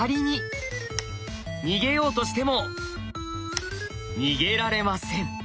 逃げようとしても逃げられません。